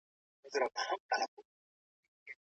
عمری ډاکو یو عیار انسان و.